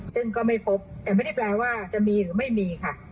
ซึ่งก็ไม่พบแต่ไม่ได้แปลว่าจะมีหรือไม่มีค่ะ